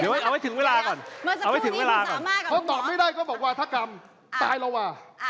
เดี๋ยวเอาไว้ถึงเวลาก่อนเพราะตอบไม่ได้ก็บอกวาทักรรมตายแล้วอะ